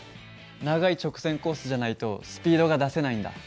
長い直線コースじゃないとスピードが出せないんだ。